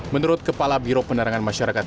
menurut kepala biro penerangan masyarakat